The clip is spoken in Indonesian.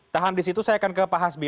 tahan di situ saya akan ke pak hasbi